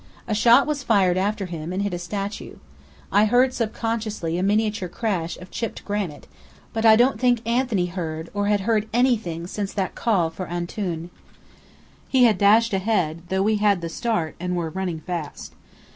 A shot was fired after him, and hit a statue. I heard subconsciously a miniature crash of chipped granite, but I don't think Anthony heard, or had heard anything since that call for "Antoun!" He had dashed ahead, though we had had the start and were running fast.